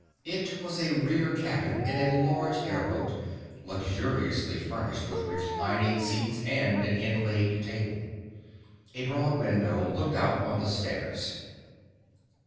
It was a rear cabin in a large airboat, luxuriously furnished with reclining seats and an inlaid table. A broad window looked out on the stairs.